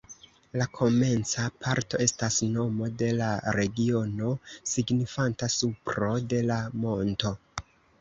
La komenca parto estas nomo de la regiono, signifanta supro de la monto.